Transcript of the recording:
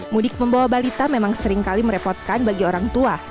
mudik membawa balita memang seringkali merepotkan bagi orang tua